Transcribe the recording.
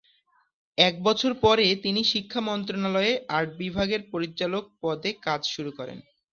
এক বছর পরে তিনি শিক্ষা মন্ত্রণালয়ে আর্ট বিভাগের পরিচালক পদে কাজ শুরু করেন।